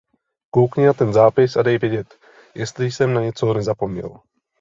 Koukni na ten zápis a dej vědět, jestli jsem na něco nezapomněl.